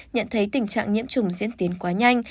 nhận thấy tình trạng nhiễm trùng diễn tiến quá nhanh